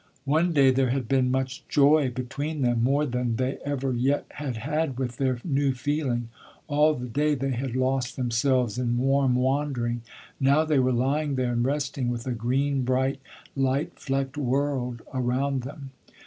One day there had been much joy between them, more than they ever yet had had with their new feeling. All the day they had lost themselves in warm wandering. Now they were lying there and resting, with a green, bright, light flecked world around them.